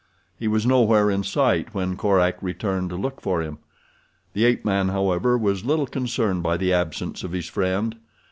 He was nowhere in sight when Korak returned to look for him. The ape man, however, was little concerned by the absence of his friend.